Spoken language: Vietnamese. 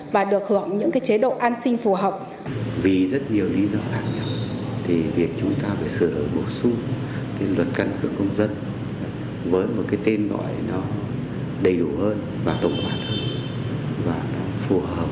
và được hưởng những chế độ an sinh phù hợp